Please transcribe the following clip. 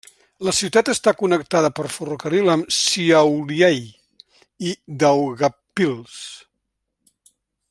La ciutat està connectada per ferrocarril amb Šiauliai i Daugavpils.